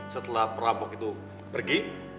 setelah perampok itu pergi